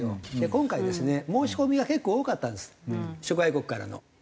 今回ですね申し込みが結構多かったんです諸外国からの。